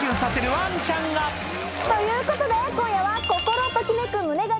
ワンちゃんがということで今夜は。